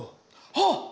あっ！